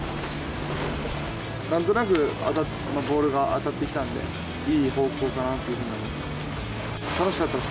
なんとなくボールが当たってきたんで、いい方向かなというふうに思います。